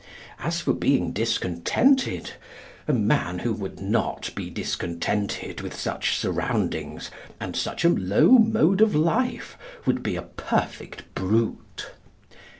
As for being discontented, a man who would not be discontented with such surroundings and such a low mode of life would be a perfect brute.